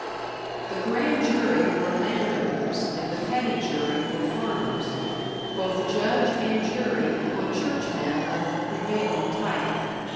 The grand jury were landowners, and the petty jury were farmers; both judge and jury were churchmen of the prevailing type.